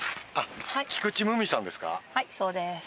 はいそうです。